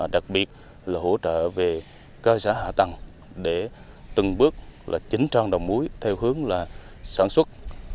đặc biệt là hỗ trợ về cơ giả hạ tăng để từng bước là chính trang đồng mối theo hướng là sản xuất